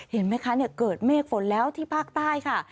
เห็นไหมคะเกิดเมฆฝนแล้วที่ภาคใต้ค่ะ